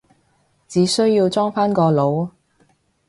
只需要裝返個腦？